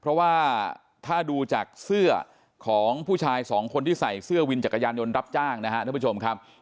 เพราะว่าถ้าดูจากเสื้อของผู้ชาย๒คนที่ใส่เสื้อวินจักรยานยนต์รับจ้างนะครับ